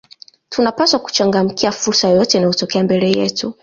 tunapaswa kuchangamkia fursa yeyote inayotokea mbele yetu